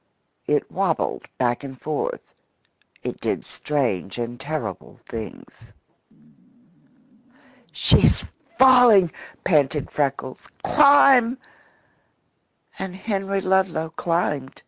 It wabbled back and forth; it did strange and terrible things. "She's falling!" panted Freckles. "Climb!" And Henry Ludlow climbed.